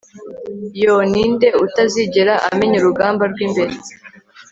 yoo! ninde utazigera amenya urugamba rw'imbere